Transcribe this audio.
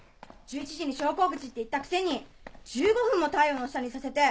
１１時に昇降口って言ったくせに１５分も太陽の下にいさせて！